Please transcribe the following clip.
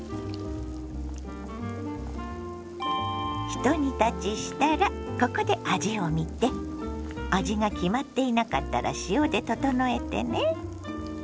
ひと煮立ちしたらここで味をみて味が決まっていなかったら塩で調えてね。